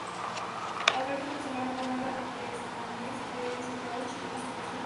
Alberto del Solar no narra desmanes de soldados chilenos en Chorrillos.